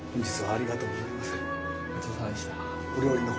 ありがとうございます。